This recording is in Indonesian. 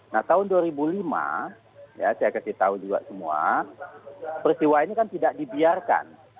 nah tahun dua ribu lima ya saya kasih tahu juga semua peristiwa ini kan tidak dibiarkan